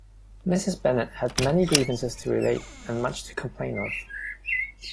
Mrs. Bennet had many grievances to relate, and much to complain of.